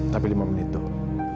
tapi lima menit dulu